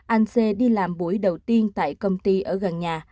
anh xê đi làm buổi đầu tiên tại công ty ở gần nhà